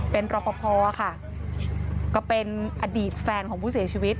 เป็นรอปภค่ะก็เป็นอดีตแฟนของผู้เสียชีวิต